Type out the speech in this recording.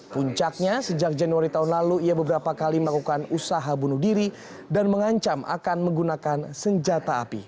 puncaknya sejak januari tahun lalu ia beberapa kali melakukan usaha bunuh diri dan mengancam akan menggunakan senjata api